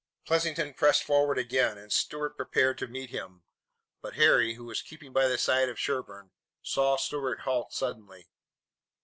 Pleasanton pressed forward again, and Stuart prepared to meet him. But Harry, who was keeping by the side of Sherburne, saw Stuart halt suddenly.